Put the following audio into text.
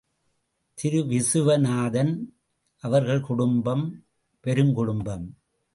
திரு விசுவநாதன் அவர்களின் குடும்பம் பெருங்குடும்பம்.